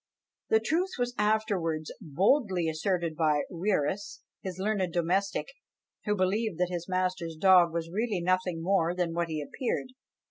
The truth was afterwards boldly asserted by Wierus, his learned domestic, who believed that his master's dog was really nothing more than what he appeared!